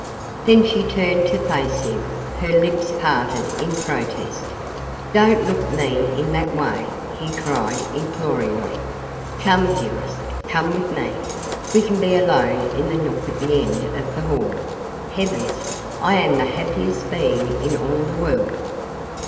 Then she turned to face him, her lips parted in protest. "Don't look at me in that way," he cried imploringly. "Come, dearest, come with me. We can be alone in the nook at the end of the hall. Heavens, I am the happiest being in all the world.